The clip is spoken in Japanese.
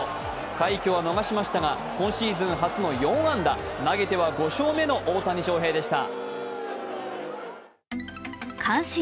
快挙は逃しましたが今シーズン初の４安打投げては５勝目の大谷翔平でした。